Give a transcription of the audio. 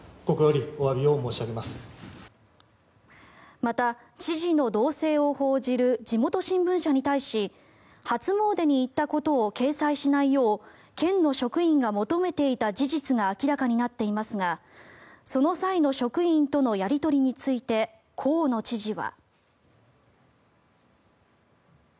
また、知事の動静を報じる地元新聞社に対し初詣に行ったことを掲載しないよう県の職員が求めていた事実が明らかになっていますがその際の職員とのやり取りについて河野知事は。